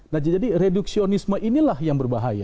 nah jadi reduksionisme inilah yang berbahaya